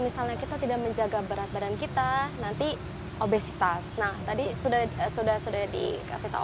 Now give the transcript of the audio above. misalnya kita tidak menjaga berat badan kita nanti obesitas nah tadi sudah sudah sudah dikasih tahu